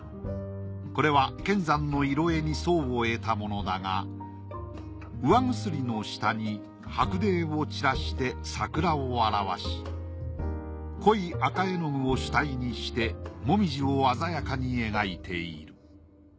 これは乾山の色絵に想を得たものだが釉の下に白泥を散らして桜を表し濃い赤絵の具を主体にして紅葉を鮮やかに描いている。